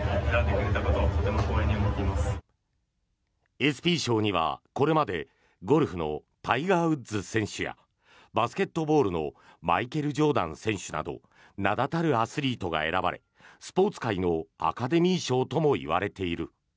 ＥＳＰＹ賞には、これまでゴルフのタイガー・ウッズ選手やバスケットボールのマイケル・ジョーダン選手など名だたるアスリートが選ばれスポーツ界のアカデミー賞ともいわれている。